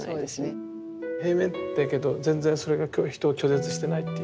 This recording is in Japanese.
平面だけど全然それが人を拒絶してないっていうか。